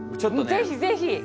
ぜひぜひ！